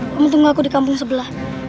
kamu tunggu aku di kampung sebelah